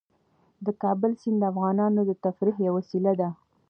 د کابل سیند د افغانانو د تفریح یوه وسیله ده.